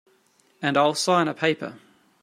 And I'll sign a paper.